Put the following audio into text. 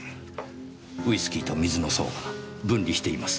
ウイスキーと水の層が分離しています。